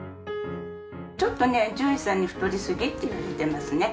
ちょっとね獣医さんに太りすぎって言われてますね。